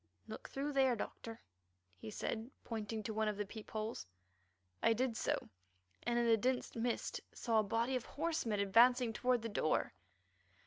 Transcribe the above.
"Look through there, Doctor," he said, pointing to one of the peep holes. I did so, and in the dense mist saw a body of horsemen advancing toward the door.